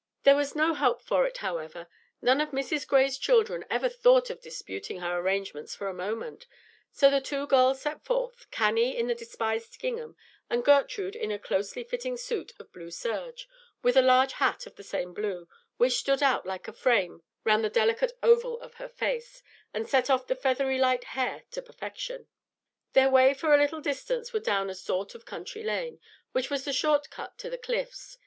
There was no help for it, however. None of Mrs. Gray's children ever thought of disputing her arrangements for a moment; so the two girls set forth, Cannie in the despised gingham, and Gertrude in a closely fitting suit of blue serge, with a large hat of the same blue, which stood out like a frame round the delicate oval of her face, and set off the feathery light hair to perfection. Their way for a little distance was down a sort of country lane, which was the short cut to the Cliffs.